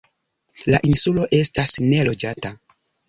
La insulo estas neloĝata.